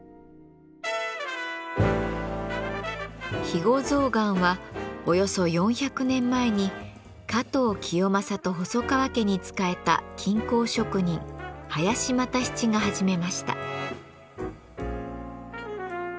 肥後象がんはおよそ４００年前に加藤清正と細川家に仕えた金工職人林又七が始めました。